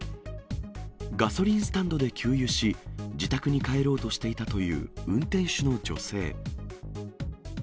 ガソリンスタンドで給油し、自宅に帰ろうとしていたという運転手の女性。